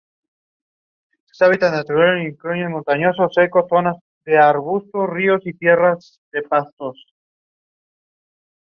There are steps at the front.